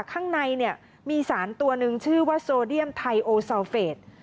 ข้างในเนี่ยมีสารตัวหนึ่งชื่อว่าโซเดียมไทโอซาวเฟส